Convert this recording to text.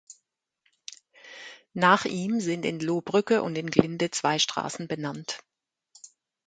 Nach ihm sind in Lohbrügge und in Glinde zwei Straßen benannt.